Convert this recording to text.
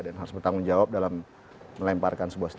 dan harus bertanggung jawab dalam melemparkan sebuah statement